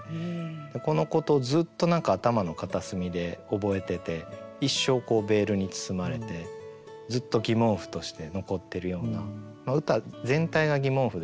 このことをずっと何か頭の片隅で覚えてて一生ベールに包まれてずっと疑問符として残ってるような歌全体が疑問符でできてる。